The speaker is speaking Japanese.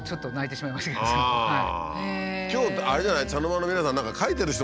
今日あれじゃない？